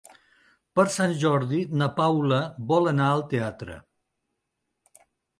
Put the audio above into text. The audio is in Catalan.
Per Sant Jordi na Paula vol anar al teatre.